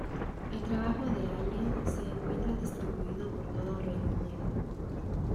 El trabajo de Allan se encuentra distribuido por todo Reino Unido.